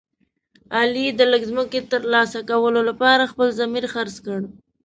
علي د لږ ځمکې تر لاسه کولو لپاره خپل ضمیر خرڅ کړ.